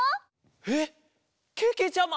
えっけけちゃま！？